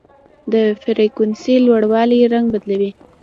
د فریکونسۍ لوړوالی رنګ بدلوي.